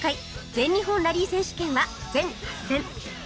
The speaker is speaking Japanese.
全日本ラリー選手権は全８戦